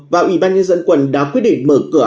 và ủy ban nhân dân quận đã quyết định mở cửa